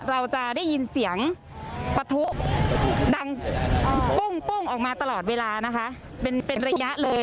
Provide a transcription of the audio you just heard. เราจะได้ยินเสียงปะทุดังปุ้งปุ้งออกมาตลอดเวลานะคะเป็นระยะเลย